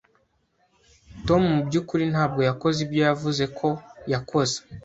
Tom mubyukuri ntabwo yakoze ibyo yavuze ko yakoze.